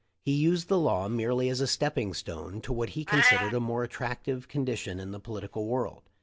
He used the law merely as a stepping stone to what he considered a more attractive condition in the political world.